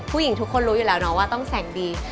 ผู้หญิงทุกคนรู้อยู่แล้วเนาะว่าต้องแสงดี